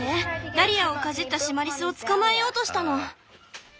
ダリアをかじったシマリスを捕まえようとしたの！